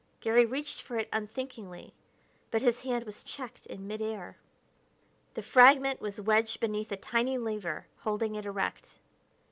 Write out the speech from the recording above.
Garry reached for it unthinkingly, but his hand was checked in mid air. The fragment was wedged beneath a tiny lever, holding it erect.